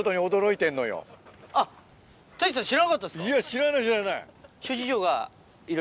知らない知らない。